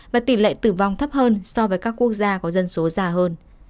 và tỷ lệ tử vong thấp hơn so với các quốc gia có dân số già hơn